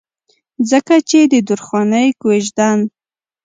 ځکه چې د درخانۍ کويژدن